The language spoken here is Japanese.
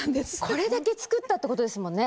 これだけ作ったってことですもんね。